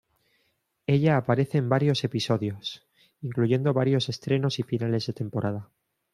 Ella aparece en varios episodios, incluyendo varios estrenos y finales de temporada.